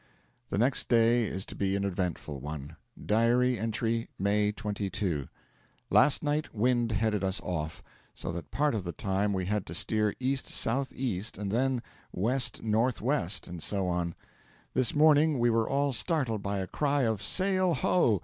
The next day is to be an eventful one. (Diary entry) May 22. Last night wind headed us off, so that part of the time we had to steer east south east and then west north west, and so on. This morning we were all startled by a cry of 'SAIL HO!'